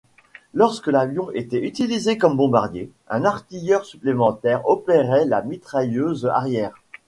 Lorsque l'avion était utilisé comme un bombardier, un artilleur supplémentaire opérait la mitrailleuse arrière.